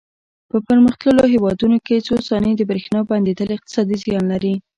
په پرمختللو هېوادونو کې څو ثانیې د برېښنا بندېدل اقتصادي زیان لري.